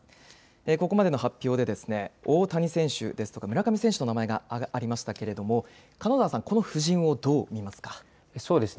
ここまでの発表で、大谷選手ですとか、村上選手の名前がありましたけれども、金沢さん、この布陣をどうそうですね。